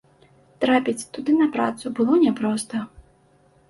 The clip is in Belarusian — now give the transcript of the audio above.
Трапіць туды на працу было няпроста.